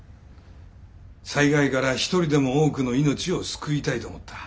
災害から一人でも多くの命を救いたいと思った。